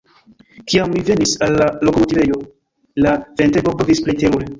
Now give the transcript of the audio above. Kiam mi venis al la lokomotivejo, la ventego blovis plej terure.